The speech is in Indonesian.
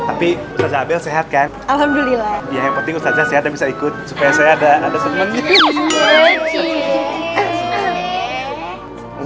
tapi saya bel sehatkan alhamdulillah ya yang penting saja bisa ikut supaya saya ada ada temen